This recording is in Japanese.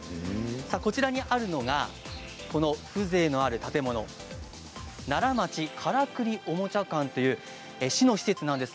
こちらの風情がある建物奈良町からくりおもちゃ館という市の施設です。